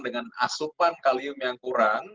dengan asupan kalium yang kurang